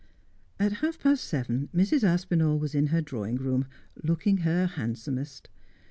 At half past seven Mrs. Aspinali was in her drawing room, looking her handsomest.